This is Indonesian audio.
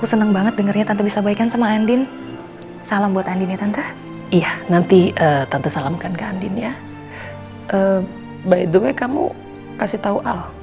enggak tante aku gak kasih tau